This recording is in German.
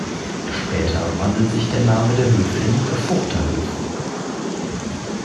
Später wandelt sich der Namen der Höfe in "Further Höfe".